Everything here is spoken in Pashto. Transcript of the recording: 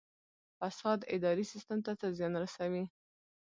فساد اداري سیستم ته څه زیان رسوي؟